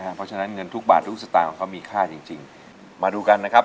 เพราะฉะนั้นเงินทุกบาททุกสตางค์ของเขามีค่าจริงจริงมาดูกันนะครับ